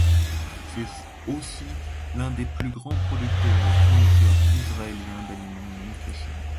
C'est aussi l'un des plus grands producteurs et fournisseurs israéliens d'aliments non kasher.